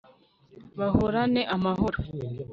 bahorane amahoro